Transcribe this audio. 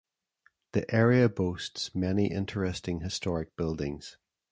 The area boasts many interesting historic buildings.